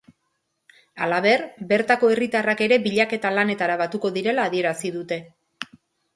Halaber, bertako herritarrak ere bilaketa lanetara batuko direla adierazi dute.